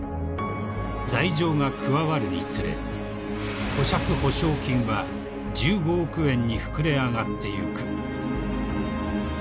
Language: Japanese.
［罪状が加わるにつれ保釈保証金は１５億円に膨れ上がってゆく］